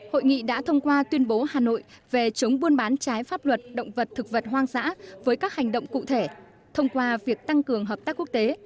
hội nghị đã thông qua tuyên bố hà nội về chống buôn bán trái pháp luật động vật thực vật hoang dã với các hành động cụ thể thông qua việc tăng cường hợp tác quốc tế